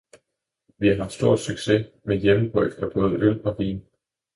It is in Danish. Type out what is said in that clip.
Vi har haft stor success med hjemmebryg af både øl og vin.